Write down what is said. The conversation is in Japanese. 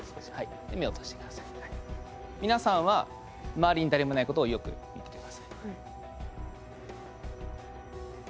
皆さんは周りに誰もいないことをよく見といてください。